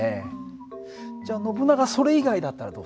じゃあノブナガそれ以外だったらどうする？